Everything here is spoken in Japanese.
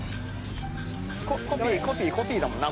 コピーコピーコピーだもんな。